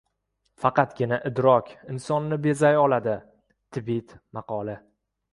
Faqatgina idrok insonni bezay oladi. Tibet maqoli